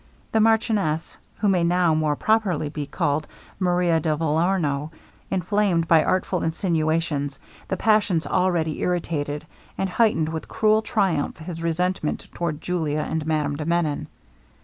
The marchioness, who may now more properly be called Maria de Vellorno, inflamed, by artful insinuations, the passions already irritated, and heightened with cruel triumph his resentment towards Julia and Madame de Menon.